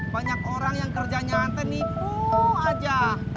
banyak orang yang kerja nyanten nipu aja